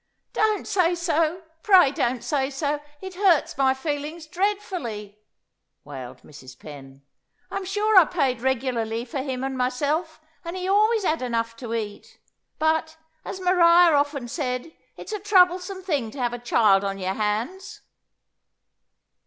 "Don't say so; pray, don't say so; it hurts my feelings dreadfully," wailed Mrs. Penn. "I'm sure I paid regularly for him and myself, and he always had enough to eat. But, as Maria has often said, it's a troublesome thing to have a child on your hands."